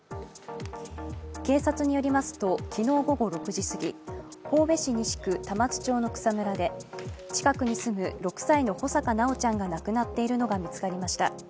警察によりますと、昨日午後６時過ぎ、神戸市西区玉津町の草むらで近くに住む６歳の穂坂修ちゃんが亡くなっているのが見つかりました。